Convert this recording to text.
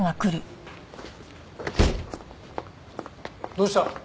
どうした？